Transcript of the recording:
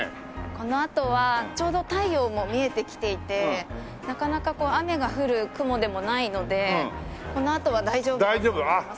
このあとはちょうど太陽も見えてきていてなかなか雨が降る雲でもないのでこのあとは大丈夫だと思います。